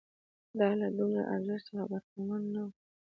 دا له دومره ارزښت څخه برخمن نه وو